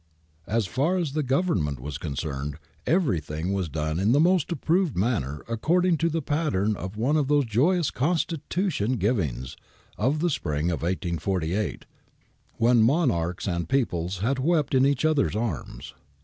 As far as the Government was concerned, everything was done in the most approved manner according to the pattern of one of those joyous Constitution givings of the spring of 1 848, when monarchs and peoples had wept in each other's arms.